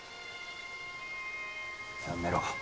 やめろ。